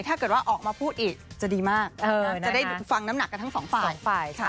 ถ้าเกิดว่าออกมาพูดอีกจะดีมากจะได้ฟังน้ำหนักกันทั้งสองฝ่าย